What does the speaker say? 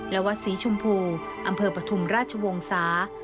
และวัดศรีชมพูอำเภอปฐุมราชวงศา